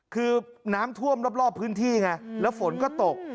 คือน้ำท่วมรอบพื้นที่ไงแล้วฝนก็ตก